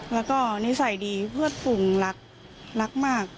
แล้วก็นิสัยดีเพื่อนฝุงรักรักมาก